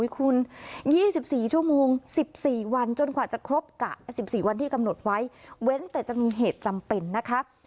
คุณ๒๔ชั่วโมง๑๔วันจนกว่าจะครบกะ๑๔วันที่กำหนดไว้เว้นแต่จะมีเหตุจำเป็นนะคะ